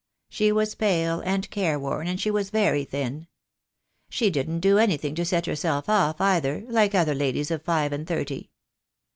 She was pale and careworn, and she was very thin. She didn't do anything to set herself off either, like other ladies of five and thirty.